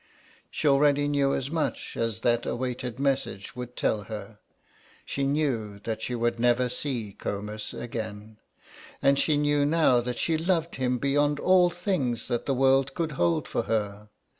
She already knew as much as that awaited message would tell her. She knew that she would never see Comus again, and she knew now that she loved him beyond all things that the world could hold for her.